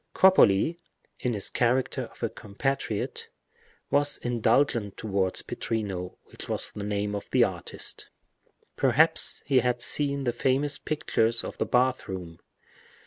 Cropoli, in his character of a compatriot, was indulgent towards Pittrino, which was the name of the artist. Perhaps he had seen the famous pictures of the bath room.